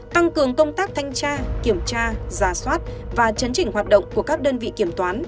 tăng cường công tác thanh tra kiểm tra giả soát và chấn chỉnh hoạt động của các đơn vị kiểm toán